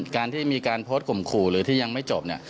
การที่มีการโพสต์ข่มขู่หรือที่ยังไม่จบเนี่ย